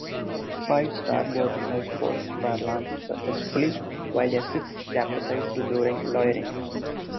Five starboard lifeboats were launched successfully, while a sixth capsized during lowering.